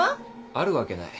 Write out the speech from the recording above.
あるわけない。